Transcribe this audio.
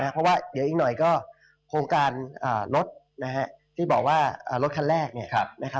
เพราะว่าเดี๋ยวอีกหน่อยก็โครงการรถที่บอกว่ารถคันแรก